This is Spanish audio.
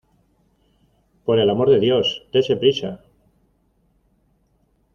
por el amor de Dios, dese prisa.